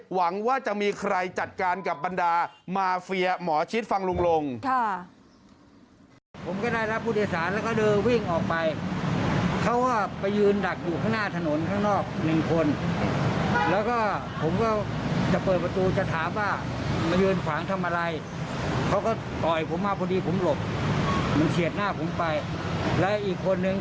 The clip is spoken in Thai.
หวังว่าจะมีใครจัดการกับบรรดามาเฟียหมอชิดฟังลุงลง